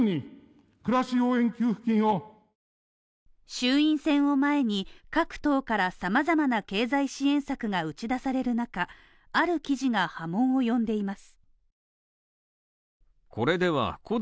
衆院選を前に、各党から様々な経済支援策が打ち出される中、ある記事が波紋を呼んでいます。